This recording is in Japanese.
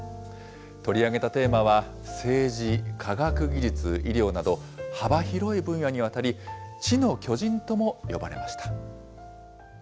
取り上げたテーマは、政治、科学技術、医療など、幅広い分野にわたり、知の巨人とも呼ばれました。